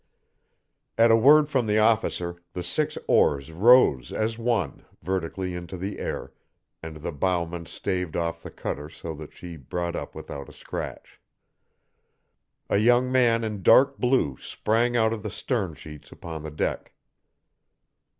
_ At a word from the officer the six oars rose as one vertically into the air, and the bowman staved off the cutter so that she brought up without a scratch. A young man in dark blue sprang out of the stern sheets upon the deck.